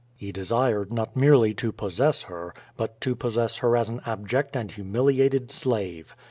He desired not merely to possess her, but to possess her as an abject and humiliated slave.